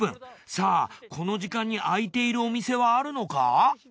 さあこの時間に開いているお店はあるのか？